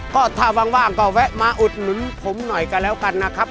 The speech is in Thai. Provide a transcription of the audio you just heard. ก็ถ้าว่างก็แวะมาอุดหนุนผมหน่อยก็แล้วกันนะครับ